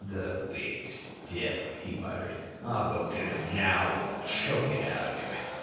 "The big stiff," he muttered. "I'll go get him now and we'll choke it out of him."